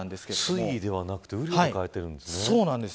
水位ではなくて雨量で変えているんですね。